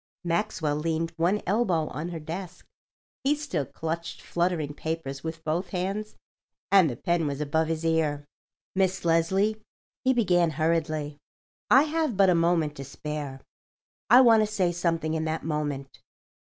Maxwell leaned one elbow on her desk. He still clutched fluttering papers with both hands and the pen was above his ear. "Miss Leslie," he began hurriedly, "I have but a moment to spare. I want to say something in that moment.